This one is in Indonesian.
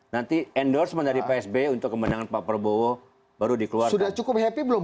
nanti endorsement dari psb untuk kemenangan pak prabowo baru dikeluarkan cukup happy belum